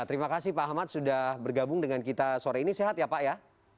terima kasih pak ahmad sudah bergabung dengan kita sore ini sehat ya pak ya